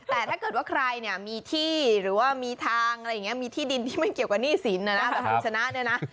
แต่ถ้าเกิดว่าใครเนี่ยมีที่หรือว่ามีทางอะไรอย่างนี้มีที่ดินที่ไม่เกี่ยวกับหนี้สินนะนะแบบคุณชนะเนี่ยนะ